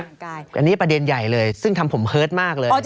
อันนี้ประเด็นใหญ่เลยซึ่งทำผมเฮิร์ตมากเลย